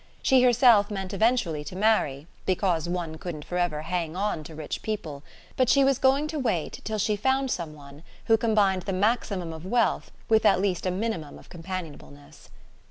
She herself meant eventually to marry, because one couldn't forever hang on to rich people; but she was going to wait till she found some one who combined the maximum of wealth with at least a minimum of companionableness.